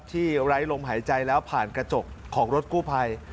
ไร้ลมหายใจแล้วผ่านกระจกของรถกู้ภัย